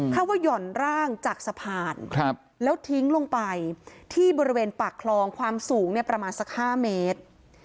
เขาว่าหย่อนร่างจากสะพานแล้วทิ้งลงไปที่บริเวณปากคลองความสูงประมาณสัก๕เมตร